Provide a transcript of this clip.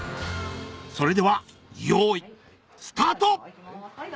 それでは用意スタート！